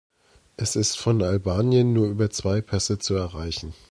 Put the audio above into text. Es ist von Albanien nur über zwei Pässe zu erreichen.